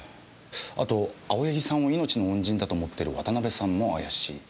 あと青柳さんを命の恩人だと思っている渡辺さんも怪しい。